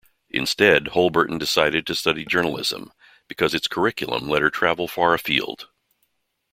Instead, Holberton decided to study journalism, because its curriculum let her travel far afield.